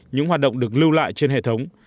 những hoạt động được lưu lại trên hệ thống